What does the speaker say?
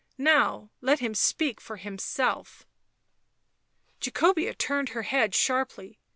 " Now let him speak for himself." Jacobea turned her head sharply.